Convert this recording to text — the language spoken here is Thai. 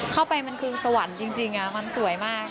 เข้าไปมันคือสวรรค์จริงมันสวยมาก